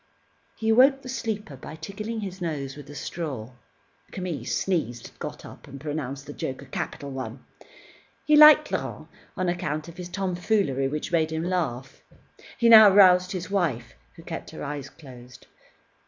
He awoke the sleeper by tickling his nose with a straw. Camille sneezed, got up, and pronounced the joke a capital one. He liked Laurent on account of his tomfoolery, which made him laugh. He now roused his wife, who kept her eyes closed.